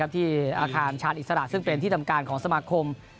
ที่อาคารชาญอิสระซึ่งเป็นที่ทำการของสมาคม